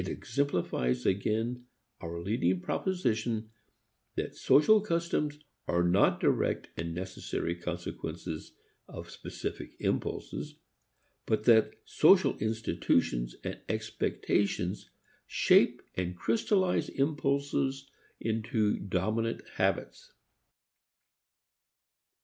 It exemplifies again our leading proposition that social customs are not direct and necessary consequences of specific impulses, but that social institutions and expectations shape and crystallize impulses into dominant habits.